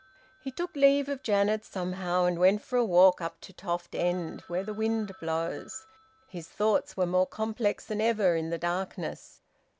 He took leave of Janet, somehow, and went for a walk up to Toft End, where the wind blows. His thoughts were more complex than ever in the darkness.